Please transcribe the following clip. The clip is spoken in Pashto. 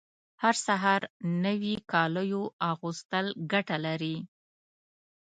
هر سهار نوي کالیو اغوستل ګټه لري